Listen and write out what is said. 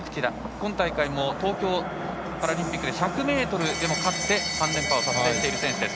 今大会、東京パラリンピックで１００でも勝って３連覇をしている選手です。